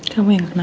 kamu yang kenapa